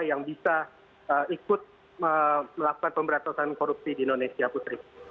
yang bisa ikut melakukan pemberantasan korupsi di indonesia putri